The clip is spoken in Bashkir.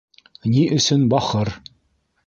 — Ни өсөн бахыр?